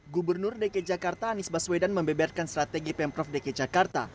gubernur dki jakarta anies baswedan membeberkan strategi pemprov dki jakarta